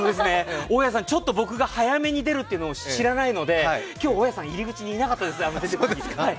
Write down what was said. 大家さん、僕がちょっと早めに出るってことを知らなかったので今日、大家さん、入り口にいなかったです。